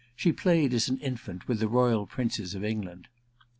She played as an infant with the royal princes of England.'